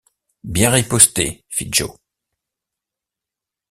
Bien riposté, fit Joe.